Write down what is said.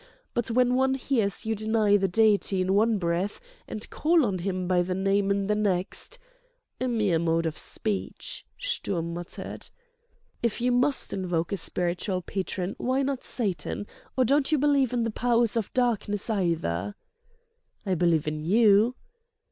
But when one hears you deny the Deity in one breath and call on him by name in the next—!" "A mere mode of speech," Sturm muttered. "If you must invoke a spiritual patron, why not Satan? Or don't you believe in the Powers of Darkness, either?" "I believe in you."